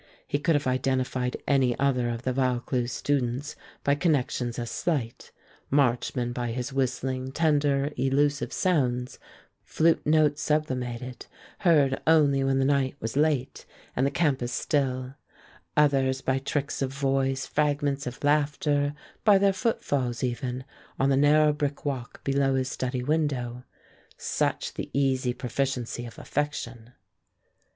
He could have identified any other of the Vaucluse students by connections as slight Marchman by his whistling, tender, elusive sounds, flute notes sublimated, heard only when the night was late and the campus still; others by tricks of voice, fragments of laughter, by their footfalls, even, on the narrow brick walk below his study window. Such the easy proficiency of affection.